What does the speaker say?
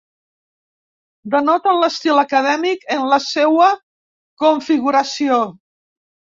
Denoten l'estil acadèmic en la seua configuració.